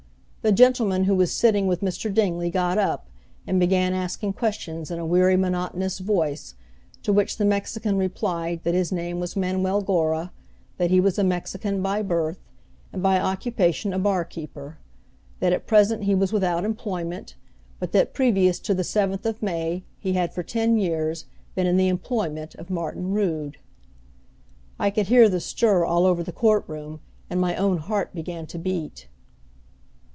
The gentleman who was sitting with Mr. Dingley got up and began asking questions in a weary monotonous voice, to which the Mexican replied that his name was Manuel Gora, that he was a Mexican by birth, and by occupation a barkeeper; that at present he was without employment, but that previous to the seventh of May he had for ten years been in the employment of Martin Rood. I could hear the stir all over the court room, and my own heart began to beat.